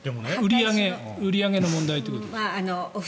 売り上げの問題ということですか？